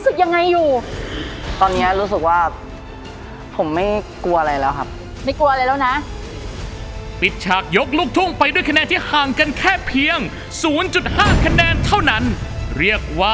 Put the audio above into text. ดูจนกันทั้งหมดแล้วนะคะ